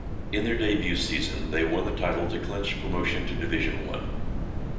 In their debut season they won the title to clinch promotion to Division One.